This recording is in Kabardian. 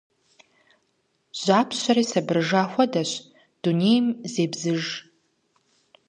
Жьапщэри сабырыжа хуэдэщ. Дунейм зебзыж.